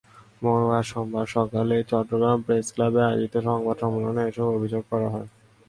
গতকাল সোমবার সকালে চট্টগ্রাম প্রেসক্লাবে আয়োজিত সংবাদ সম্মেলনে এসব অভিযোগ করা হয়।